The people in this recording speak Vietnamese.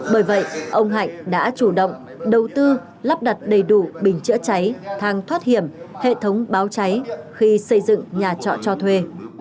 bởi vậy ông hạnh đã chủ động đầu tư lắp đặt đầy đủ bình chữa cháy thang thoát hiểm hệ thống báo cháy khi xây dựng nhà trọ cho thuê